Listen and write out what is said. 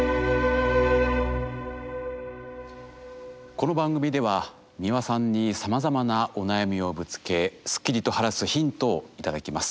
この番組では美輪さんにさまざまなお悩みをぶつけスッキリと晴らすヒントを頂きます。